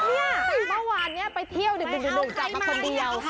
อ๋อเนี่ยเมื่อวานไปเที่ยวดึกหนูจับมาคนเดียว